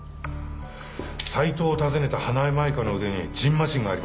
斎藤を訪ねた花井舞香の腕にじんましんがありました。